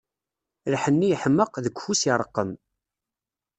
Lḥenni yeḥmeq, deg ufus ireqqem.